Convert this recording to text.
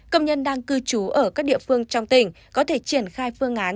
công nhân đang cư trú ở các địa phương trong tỉnh có thể triển khai phương án